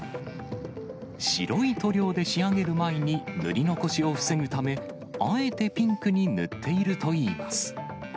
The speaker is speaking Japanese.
白い塗料で仕上げる前に、塗り残しを防ぐため、あえてピンクに塗っているといいます。